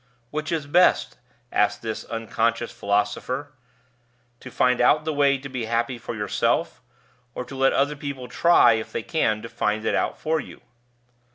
"Which is best," asked this unconscious philosopher, "to find out the way to be happy for yourself, or to let other people try if they can find it out for you?"